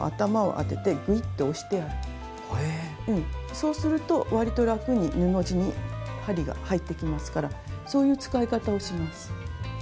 そうすると割とラクに布地に針が入っていきますからそういう使い方をします。